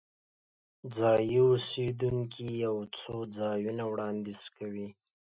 ځایي اوسیدونکي یو څو ځایونه وړاندیز کوي.